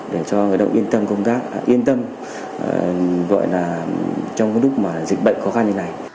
để cho người lao động yên tâm trong cái lúc mà dịch bệnh khó khăn như thế này